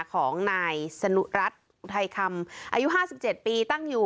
ของนายสนุรัตน์ไทยธรรมอายุห้าสิบเจ็ดปีตั้งอยู่